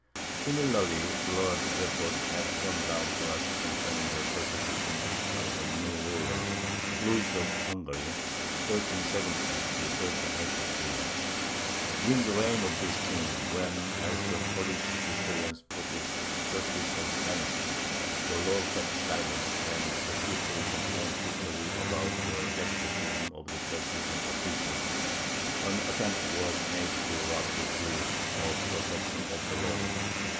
Similarly blurred reports have come down to us concerning the persecutions by the new ruler, Louis of Hungary (1370 1382). During the reign of this King, when, as the Polish historians put it, justice had vanished, the law kept silent, and the people complained bitterly about the despotism of the judges and officials, an attempt was made to rob the Jews of the protection of the law.